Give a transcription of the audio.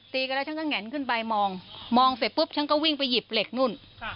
กันแล้วฉันก็แงนขึ้นไปมองมองเสร็จปุ๊บฉันก็วิ่งไปหยิบเหล็กนู่น